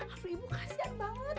aduh ibu kasihan banget